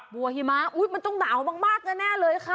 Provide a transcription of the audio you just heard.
บัวหิมะอุ๊ยมันต้องหนาวมากน่ะแน่เลยค่ะ